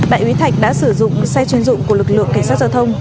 đại úy thạch đã sử dụng xe chuyên dụng của lực lượng cảnh sát giao thông